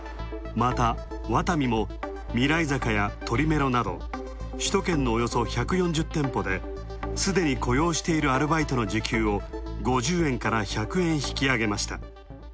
また、ワタミもミライザカや鳥メロなど首都圏のおよそ１４０店舗で、すでに雇用しているアルバイトの時給を５０円から１００円引き上げました。